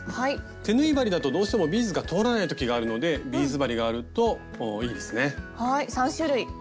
手縫い針だとどうしてもビーズが通らない時があるのでビーズ針があるといいですね。